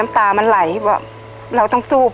เอาทานสักกระทบ